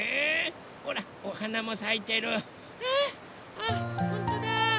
あっほんとだ。